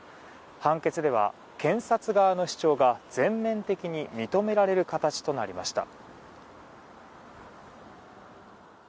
判決では検察側の主張が全面的に認められる形となりました。